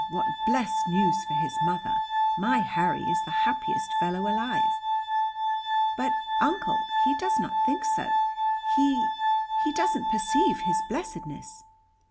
what blest news for his mother! My Harry is the happiest fellow alive." "But, Uncle, he does not think so, he he doesn't perceive his blessedness."